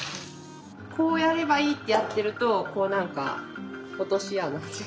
「こうやればいい」ってやってるとこうなんか落とし穴に落ちる。